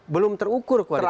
belum terukur kualitasnya